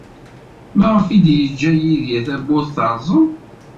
Maɣef ay yeǧǧa Yidir tawwurt terẓem?